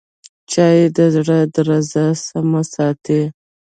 چای د زړه درزا سمه ساتي